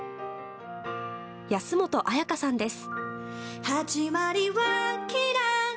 安本彩花さんです。